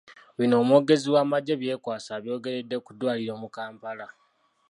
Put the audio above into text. Bino omwogezi w’amagye Byekwaso abyogeredde ku ddwaliro mu Kampala .